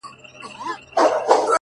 هغه وكړې سوگېرې پــه خـاموشـۍ كي ـ